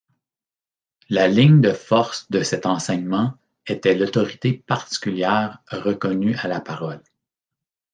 La ligne de force de cet enseignement était l'autorité particulière reconnue à la parole.